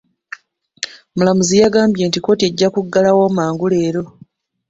Omulamuzi yagambye nti kkooti ejja kuggalwa mangu leero.